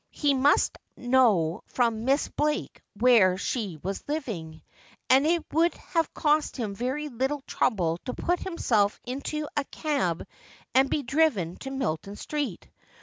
He must know from Miss Blake where she was living, and it would have cost him very little trouble to put himself into a cab and be driven to Milton Street.